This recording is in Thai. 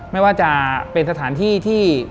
ไม่ว่าจะเป็นสถานที่ที่